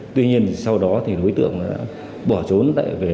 tuy nhiên sau đó đối tượng đã bỏ trốn